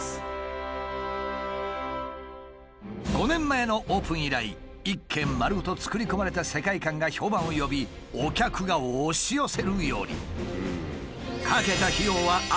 ５年前のオープン以来一軒丸ごと作り込まれた世界観が評判を呼びお客が押し寄せるように。